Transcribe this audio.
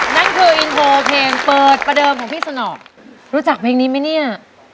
นั่นคืออินโทรเพลงเปิดประเดิมของพี่สนอกรู้จักเพลงนี้ไหมเนี่ย